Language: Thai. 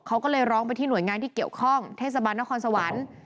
เขาก็เลยร้องไปที่หน่วยงานที่เกี่ยวข้องเทศบาลนครสวรรค์